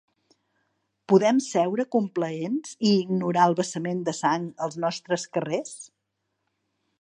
Podem seure complaents i ignorar el vessament de sang als nostres carrers?